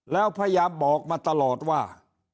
แล้วพยายามบอกมาตลอดว่า